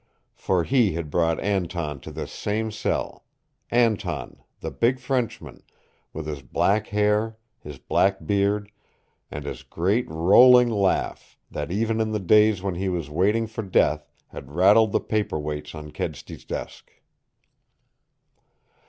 For he had brought Anton to this same cell Anton, the big Frenchman, with his black hair, his black beard, and his great, rolling laugh that even in the days when he was waiting for death had rattled the paper weights on Kedsty's desk.